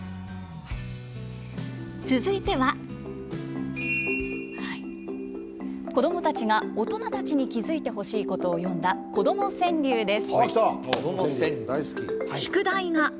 続いては子どもたちが、大人たちに気付いてほしいことを詠んだ「子ども川柳」です。